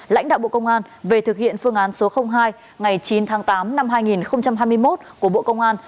lãnh đạo bộ công an về thực hiện phương án số hai ngày chín tháng tám năm hai nghìn hai mươi một của bộ công an